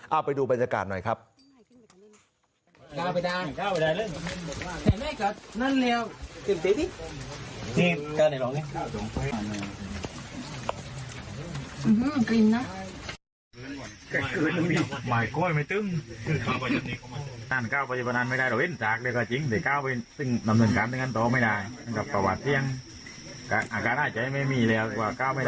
เอาไปดูบรรยากาศหน่อยครับ